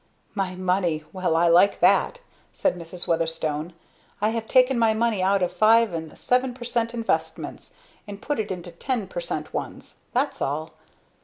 "My money! Well I like that!" said Mrs. Weatherstone. "I have taken my money out of five and seven per cent investments, and put it into ten per cent ones, that's all.